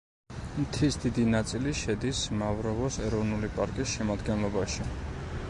მთის დიდი ნაწილი შედის მავროვოს ეროვნული პარკის შემადგენლობაში.